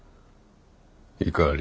怒り？